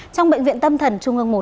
trong bệnh viện tâm thần